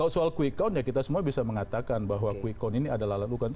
soal quick count ya kita semua bisa mengatakan bahwa quick count ini adalah